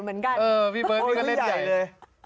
เหมือนกันเออพี่เบิ้ลพี่เบิ้ลเล่นใหญ่เลย